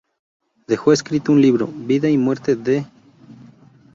Dejó escrito un libro: Vida y muerte de Dª.